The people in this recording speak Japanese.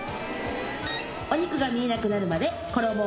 お肉が見えなくなるまで衣をドバーッ！